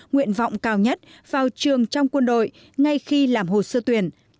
nguyện vọng cao nhất vào trường trong quân đội ngay khi làm hồ sơ tuyển